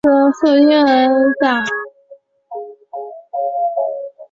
受新冠肺炎疫情影响